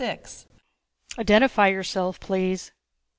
VI "Identify yourself, please."